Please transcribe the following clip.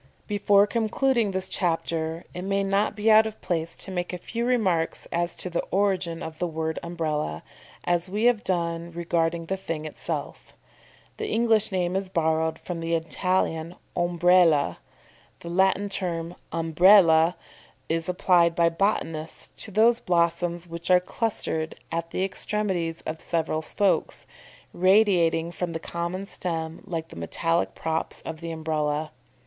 Before concluding this chapter, it may not be out of place to make a few remarks as to the origin of the word Umbrella, as we have done regarding the thing itself. The English name is borrowed from the Italian Ombrella. The Latin term Umbella is applied by botanists to those blossoms which are clustered at the extremities of several spokes, radiating from the common stem like the metallic props of the Umbrella.